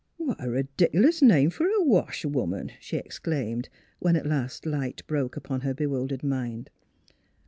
"What a redic'lous name f'r wash woman!" she exclaimed, when at last light broke upon her bewildered mind.